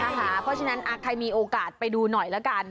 เพราะฉะนั้นใครมีโอกาสไปดูหน่อยละกัน